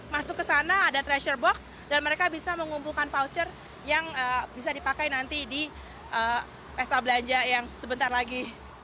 masuk ke sana ada treasure box dan mereka bisa mengumpulkan voucher yang bisa dipakai nanti di pesta belanja yang sebentar lagi